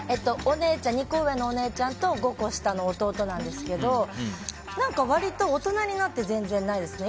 ２個上のお姉ちゃんと５個下の弟なんですけど何か、割と大人になって全然ないですね。